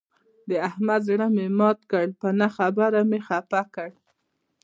د احمد زړه مې مات کړ، په نه خبره مې خپه کړ.